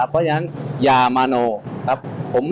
เพราะฉะนั้น